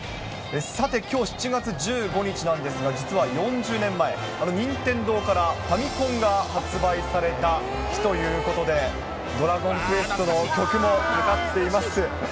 さて、きょう７月１５日なんですが、実は４０年前、任天堂からファミコンが発売された日ということで、ドラゴンクエストの曲もかかっています。